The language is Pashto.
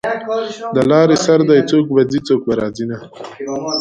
د لارې سر دی څوک به ځي څوک به راځینه